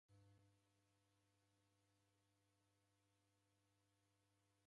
Nidumbue ngomba imweri nidafune.